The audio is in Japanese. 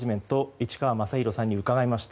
市川雅浩さんに伺いました。